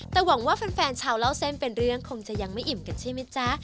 แต่หวังว่าแฟนชาวเล่าเส้นเป็นเรื่องคงจะยังไม่อิ่มกันใช่ไหมจ๊ะ